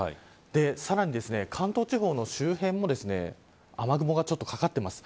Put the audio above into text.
さらに、関東地方の周辺でも雨雲がちょっとかかっています。